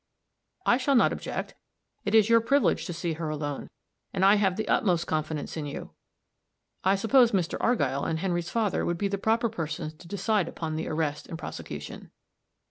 "I shall not object. It is your privilege to see her alone; and I have the utmost confidence in you. I suppose Mr. Argyll and Henry's father would be the proper persons to decide upon the arrest and prosecution."